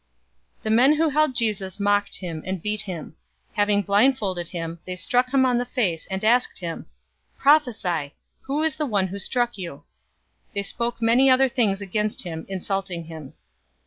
022:063 The men who held Jesus mocked him and beat him. 022:064 Having blindfolded him, they struck him on the face and asked him, "Prophesy! Who is the one who struck you?" 022:065 They spoke many other things against him, insulting him.